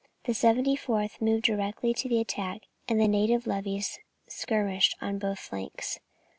The 74th moved directly to the attack, the native levies skirmishing on both flanks.